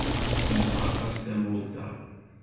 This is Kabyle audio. Ḥemmleɣ aṭas tamurt-a.